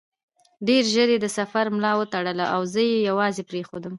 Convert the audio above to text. ډېر ژر یې د سفر ملا وتړله او زه یې یوازې پرېښودم.